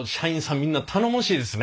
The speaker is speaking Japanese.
みんな頼もしいですね。